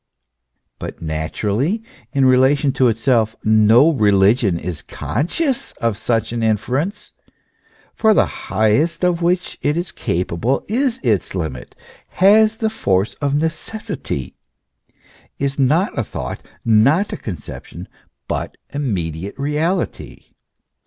But, naturally, in relation to itself no religion is conscious of such an infer ence, for the highest of which it is capable is its limit, has the force of necessity, is not a thought, not a conception, but immediate reality.